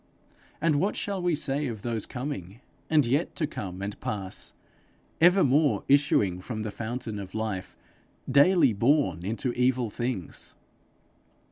And what shall we say of those coming, and yet to come and pass evermore issuing from the fountain of life, daily born into evil things?